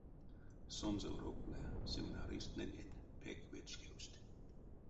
Сонзэ уроктне семинаристнэнень пек вечкевсть.